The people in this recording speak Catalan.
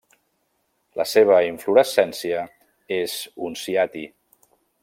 La seva inflorescència és un ciati.